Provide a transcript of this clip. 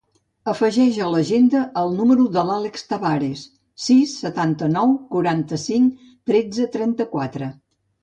Afegeix a l'agenda el número de l'Àlex Tabares: sis, setanta-nou, quaranta-cinc, tretze, trenta-quatre.